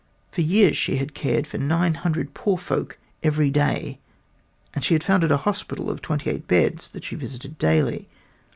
For years she had cared for nine hundred poor folk every day, and she had founded a hospital of twenty eight beds that she visited daily.